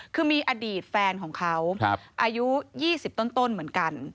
คือมีอดีตแฟนของเขาอายุ๒๐ต้นเหมือนกัน